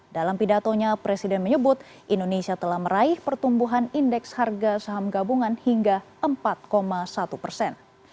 dalam pidatonya presiden menyebut indonesia telah meraih pertumbuhan indeks harga saham gabungan hingga empat satu persen